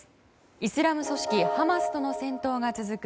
イスラム組織ハマスとの戦闘が続く